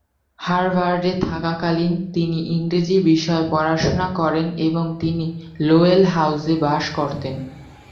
হার্ভার্ডে থাকাকালীন তিনি ইংরেজি বিষয়ে পড়াশোনা করেন এবং তিনি "লোয়েল হাউজে" বাস করতেন।